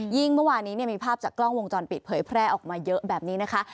เมื่อวานี้มีภาพจากกล้องวงจรปิดเผยแพร่ออกมาเยอะแบบนี้นะคะ